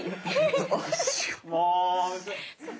どうしよう。